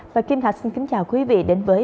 và kim thạch xin kính chào quý vị đến với